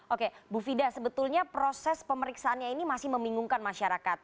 oke bu fida sebetulnya proses pemeriksaannya ini masih membingungkan masyarakat